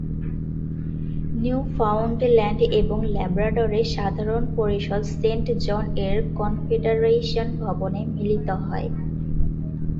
Newfoundland এবং লাব্রাডরের সাধারণ পরিষদ সেন্ট জন এর কনফেডারেশন ভবনে মিলিত হয়।